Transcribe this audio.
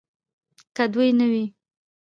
که دوی نه وي